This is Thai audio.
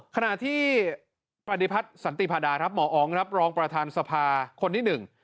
ขณะที่ปฏิพัฒน์สันติพาดาหมออองรองประธานสภาคนที่๑